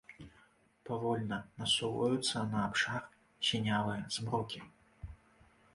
Павольна насоўваюцца на абшар сінявыя змрокі.